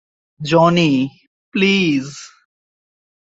Johnny, please!